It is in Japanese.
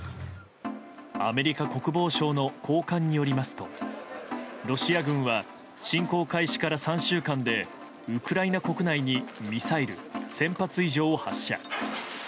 アメリカ国防省の高官によりますとロシア軍は侵攻開始から３週間でウクライナ国内にミサイル１０００発以上を発射。